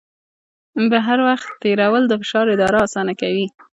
بهر وخت تېرول د فشار اداره اسانه کوي.